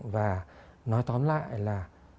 và nói tóm lại là